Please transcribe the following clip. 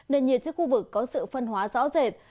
nền nhiệt trên khu vực có sự phân hóa rõ rệt